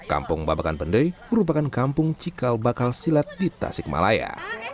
kampung babakan pende merupakan kampung cikal bakal silat di tasikmalaya